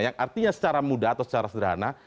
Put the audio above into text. yang artinya secara mudah atau secara sederhana